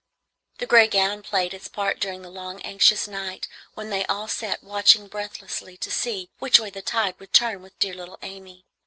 The gray gown played its part during the long anxious night when they all sat watching breathlessly to see which way the tide would turn with dear little Amy.